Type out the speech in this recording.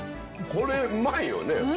これ、うまいよね。